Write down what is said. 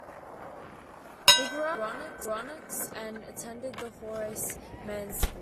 He grew up in the Bronx and attended the Horace Mann School.